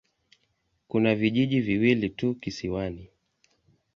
Kuna vijiji viwili tu kisiwani.